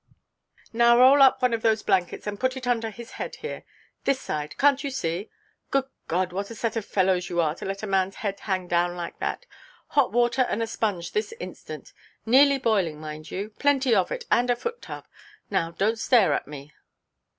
"Now roll up one of those blankets, and put it under his head here—this side, canʼt you see? Good God, what a set of fellows you are to let a manʼs head hang down like that! Hot water and a sponge this instant. Nearly boiling, mind you. Plenty of it, and a foot–tub. Now donʼt stare at me."